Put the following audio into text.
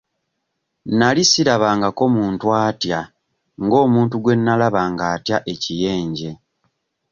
Nali sirabangako muntu atya ng'omuntu gwe nalaba ng'atya ekiyenje.